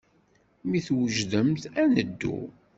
Mi twejdemt, ad neddu.